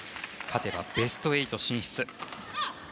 勝てばベスト８進出。